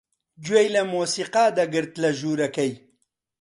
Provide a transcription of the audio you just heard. گوێی لە مۆسیقا دەگرت لە ژوورەکەی.